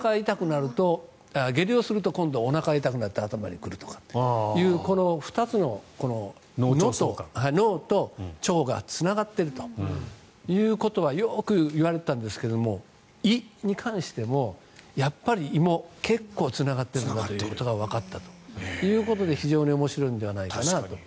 下痢をすると今度、おなかが痛くなって頭に来るとかこの２つの脳と腸がつながっているということはよくいわれていたんですが胃に関してもやっぱり胃も結構つながっているんだということがわかって非常に面白いのではないかなと。